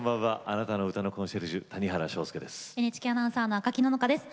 あなたの歌のコンシェルジュ谷原章介です。